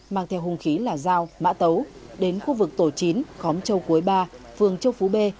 mang theo hung khí là dao mã tấu đến khu vực tổ chín khóm châu quế ba phường châu phú b